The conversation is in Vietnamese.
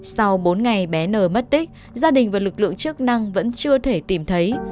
sau bốn ngày bé nờ mất tích gia đình và lực lượng chức năng vẫn chưa thể tìm thấy